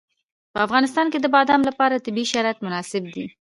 په افغانستان کې د بادام لپاره طبیعي شرایط مناسب دي.